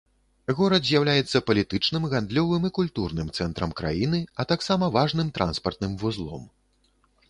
Горад з'яўляецца палітычным, гандлёвым і культурным цэнтрам краіны, а таксама важным транспартным вузлом.